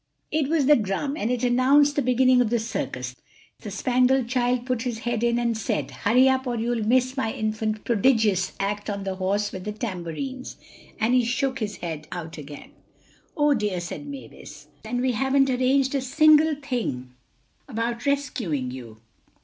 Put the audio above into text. It was the drum, and it announced the beginning of the circus. The Spangled Child put his head in and said, "Hurry up or you'll miss my Infant Prodigious Act on the Horse with the Tambourines," and took his head out again. "Oh, dear," said Mavis, "and we haven't arranged a single thing about rescuing you."